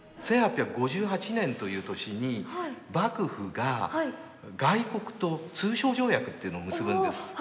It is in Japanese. １８５８年という年に幕府が外国と通商条約というのを結ぶんです。